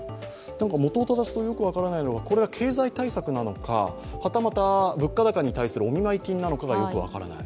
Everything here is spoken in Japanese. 本を正すとよくわらかないのは、これは経済対策なのか、はたまた、物価高に対するお見舞い金なのかがよく分からない。